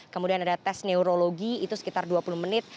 kemudian ada tes neurologi itu sekitar dua puluh menit